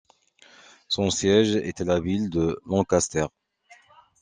Son siège est la ville de Lancaster.